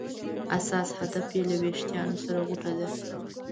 اساس هدف یې له ویښتیا سره غوټه ده.